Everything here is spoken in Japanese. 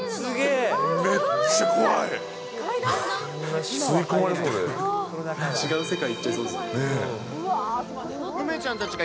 めっちゃ怖い。